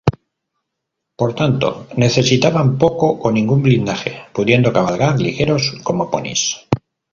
Por tanto, necesitaban poco o ningún blindaje, pudiendo cabalgar ligeros como ponis.